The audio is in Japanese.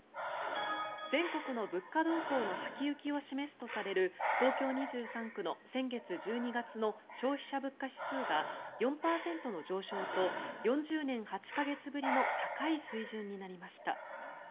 全国の物価動向の先行きを示すとされる東京２３区の先月１２月の消費者物価指数が４％の上昇と４０年８か月ぶりの高い水準になりました。